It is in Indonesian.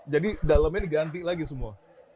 jadi dalemnya diganti lagi semua